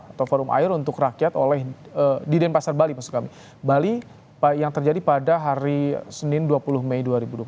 atau forum air untuk rakyat oleh di denpasar bali maksud kami bali yang terjadi pada hari senin dua puluh mei dua ribu dua puluh